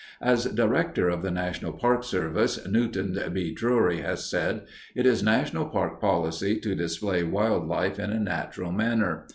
As Director of the National Park Service, Newton B. Drury has said, "It is national park policy to display wildlife in a natural manner.